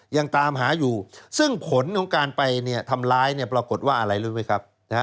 ยังตามหาอยู่ซึ่งผลของการไปทำร้ายเนี่ยปรากฏว่าอะไรรู้ไหมครับ